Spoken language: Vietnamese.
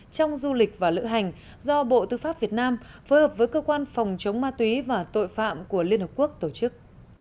trong du lịch và lữ hành do bộ tư pháp việt nam phối hợp với cơ quan phòng chống ma túy và tội phạm của liên hợp quốc tổ chức